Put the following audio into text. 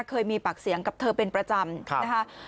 เคยมีปากเสียงกับเธอเป็นประจำนะคะ